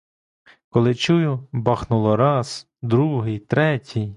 Коли чую, бахнуло раз, другий, третій.